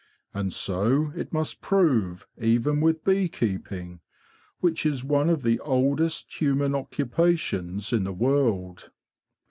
And so it must prove even with bee keeping, which is one of the oldest human occupations in the world."